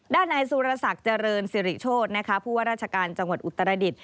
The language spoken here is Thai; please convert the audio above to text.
ด้านนายสุรศักดิ์เจริญสิริโชธนะคะผู้ว่าราชการจังหวัดอุตรดิษฐ